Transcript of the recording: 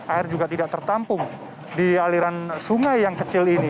air juga tidak tertampung di aliran sungai yang kecil ini